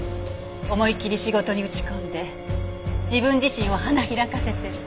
思いきり仕事に打ち込んで自分自身を花開かせてる。